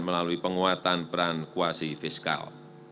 melalui penguatan perankuasi fiskal